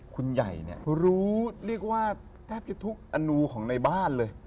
คุณใหญ่เนี่ยรู้เรียกว่าแทบจะทุกอนูของในบ้านเลย